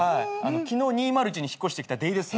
昨日２０１に引っ越してきた出井です。